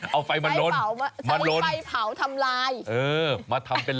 เอาไฟมาล้นมาล้น